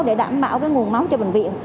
để đảm bảo nguồn máu cho bệnh viện